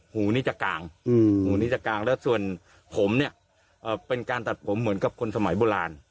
หูนี่จะกลางหูนี้จะกลางแล้วส่วนผมเนี่ยเป็นการตัดผมเหมือนกับคนสมัยโบราณ